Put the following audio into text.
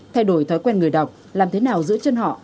thay đổi thói quen người đọc làm thế nào giữ chân họ